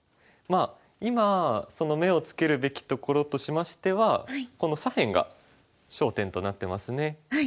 まあ今目をつけるべきところとしましてはこの左辺が焦点となってますね。